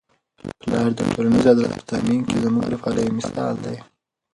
پلار د ټولنیز عدالت په تامین کي زموږ لپاره یو مثال دی.